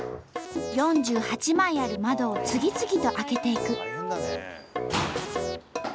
４８枚ある窓を次々と開けていく。